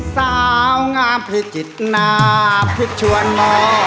สาวงามพิจิตรนาพิชวนหมอ